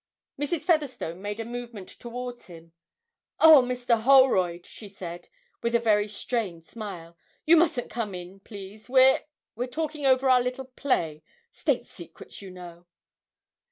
Mrs. Featherstone made a movement towards him. 'Oh, Mr. Holroyd,' she said, with a very strained smile, 'you mustn't come in, please: we're we're talking over our little play state secrets, you know!'